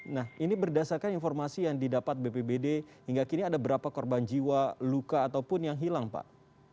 nah ini berdasarkan informasi yang didapat bpbd hingga kini ada berapa korban jiwa luka ataupun yang hilang pak